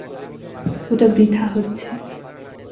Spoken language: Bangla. ওটা বৃথা হচ্ছে।